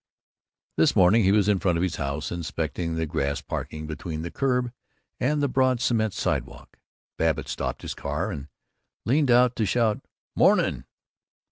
This morning he was in front of his house, inspecting the grass parking between the curb and the broad cement sidewalk. Babbitt stopped his car and leaned out to shout "Mornin'!"